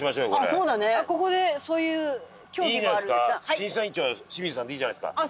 審査委員長は清水さんでいいじゃないですか。